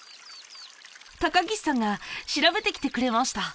高岸さんが調べてきてくれました。